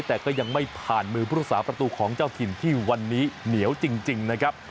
แต่ก็ยังไม่ผ่านมือผู้รักษาประตูของเจ้าถิ่นที่วันนี้เหนียวจริงนะครับ